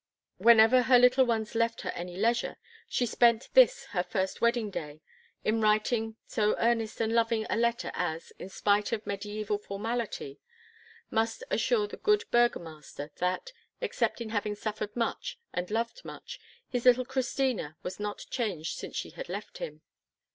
Whenever her little ones left her any leisure, she spent this her first wedding day in writing so earnest and loving a letter as, in spite of mediæval formality, must assure the good burgomaster that, except in having suffered much and loved much, his little Christina was not changed since she had left him.